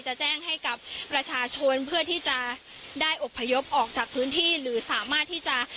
จะแจ้งให้กับประชาชนเพื่อที่จะได้อบพยพออกจากพื้นที่หรือสามารถที่จะ